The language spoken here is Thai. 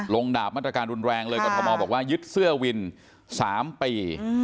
ดาบมาตรการรุนแรงเลยกรทมบอกว่ายึดเสื้อวิน๓ปี